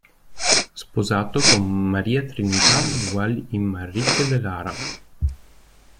Sposato con María Trinidad Wall y Manrique de Lara.